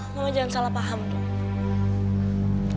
mama jangan salah paham tuh